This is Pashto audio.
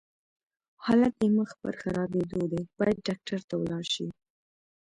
حالت دې مخ پر خرابيدو دی، بايد ډاکټر ته ولاړ شې!